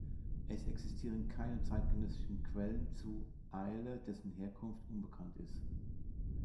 Es existieren keine zeitgenössischen Quellen zu Ælle, dessen Herkunft unbekannt ist.